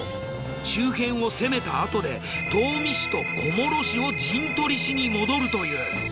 周辺を攻めたあとで東御市と小諸市を陣取りしに戻るという。